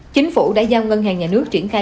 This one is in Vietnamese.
chính phủ đã giao ngân hàng nhà nước triển khai